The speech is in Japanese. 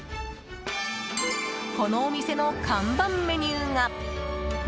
このお店の看板メニューが。